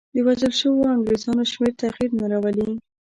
د وژل شویو انګرېزانو شمېر تغییر نه راولي.